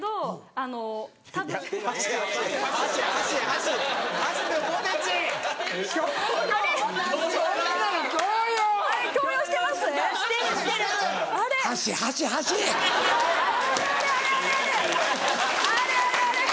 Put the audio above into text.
あれあれあれ？